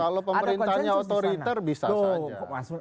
kalau pemerintahnya otoriter bisa kok